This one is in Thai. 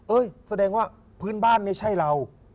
แสดงว่าพื้นบ้านไม่ใช่เรา